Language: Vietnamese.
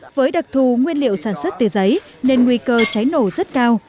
với đặc thù nguyên liệu sản xuất từ giấy nên nguy cơ cháy nổ rất cao